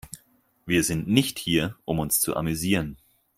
Wir sind nicht hier, um uns zu amüsieren.